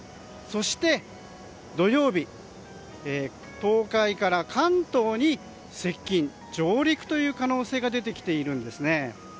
そして土曜日東海から関東に接近上陸という可能性が出てきているんですね。